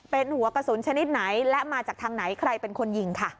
เป็นหัวกระสุนชนิดไหนและมาจากทางไหนใครเป็นคนยิงค่ะ